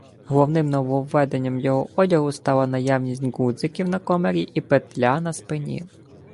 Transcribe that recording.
Головним нововведенням його одягу стала наявність ґудзиків на комірі і петля на спині.